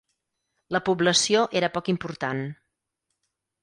La població era poc important.